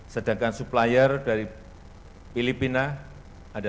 sedangkan supplier dari filipina ada tujuh belas